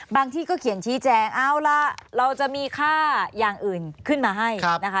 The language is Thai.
ที่ก็เขียนชี้แจงเอาล่ะเราจะมีค่าอย่างอื่นขึ้นมาให้นะคะ